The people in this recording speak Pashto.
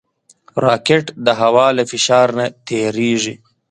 راکټ د هوا له فشار نه تېریږي